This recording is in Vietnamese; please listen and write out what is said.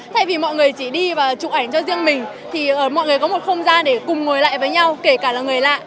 thay vì mọi người chỉ đi và chụp ảnh cho riêng mình thì ở mọi người có một không gian để cùng ngồi lại với nhau kể cả là người lạ